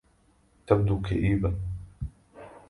تبدو كئيبا